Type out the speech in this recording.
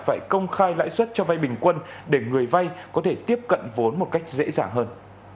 phải công khai lãi suất cho vay bình quân để người vay có thể tiếp cận vốn một cách dễ dàng hơn